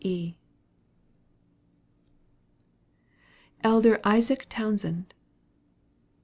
E. ELDER ISAAC TOWNSEND.